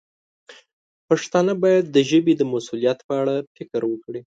پښتانه باید د ژبې د مسوولیت په اړه فکر وکړي.